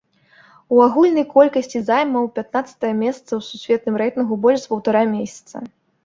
У агульнай колькасці займаў пятнаццатае месца ў сусветным рэйтынгу больш за паўтара месяца.